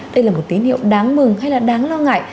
đây là một tín hiệu đáng mừng hay là đáng lo ngại